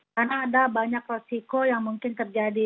karena ada banyak resiko yang mungkin terjadi